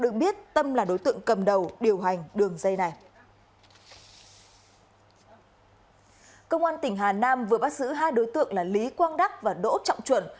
công an tỉnh hà nam vừa bắt giữ hai đối tượng là lý quang đắc và đỗ trọng chuẩn